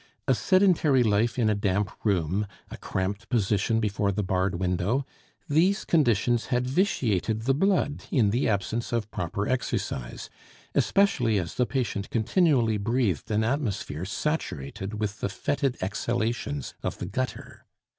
A sedentary life in a damp room; a cramped position before the barred window these conditions had vitiated the blood in the absence of proper exercise, especially as the patient continually breathed an atmosphere saturated with the fetid exhalations of the gutter.